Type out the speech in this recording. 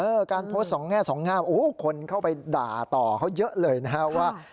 การโพสต์สองแง่สองงามโอ้โหคนเข้าไปด่าต่อเขาเยอะเลยนะครับว่า